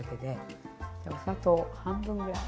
お砂糖半分ぐらいです。